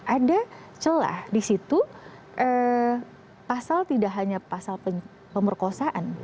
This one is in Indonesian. ada celah di situ pasal tidak hanya pasal pemerkosaan